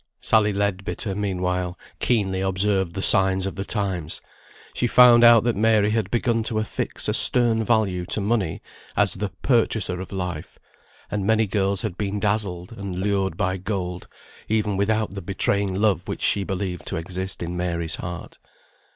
Sally Leadbitter, meanwhile, keenly observed the signs of the times; she found out that Mary had begun to affix a stern value to money as the "Purchaser of Life," and many girls had been dazzled and lured by gold, even without the betraying love which she believed to exist in Mary's heart.